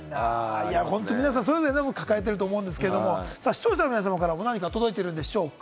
皆さん、それぞれ抱えてると思うんですけれど、視聴者の皆さまからも届いてるでしょうか？